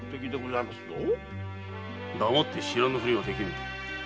黙って知らぬふりはできん。